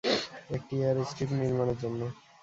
একটি airstrip নির্মাণের জন্য।